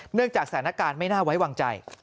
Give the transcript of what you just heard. จากสถานการณ์ไม่น่าไว้วางใจ